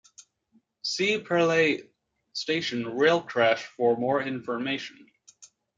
See Purley Station rail crash for more information.